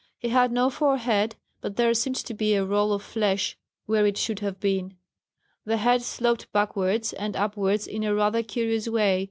He had no forehead, but there seemed to be a roll of flesh where it should have been. The head sloped backwards and upwards in a rather curious way.